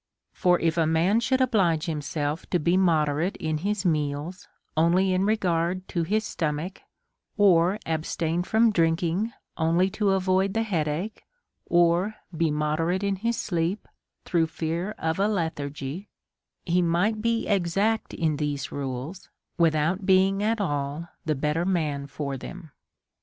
For if a man should oblige himself to be moderate in his meals only in regard to his stomach, or abstain from drinking only to avoid the head ach ; or be mo derate in his sleep, through fear of a lethargy ; he might be exact in these rules, without being at all the better man for them.